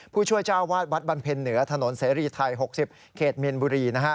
ผู้ช่วยเจ้าวาดวัดบำเพ็ญเหนือถนนเสรีไทย๖๐เขตเมียนบุรี